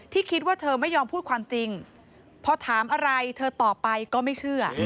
คิดว่าเธอไม่ยอมพูดความจริงพอถามอะไรเธอตอบไปก็ไม่เชื่อ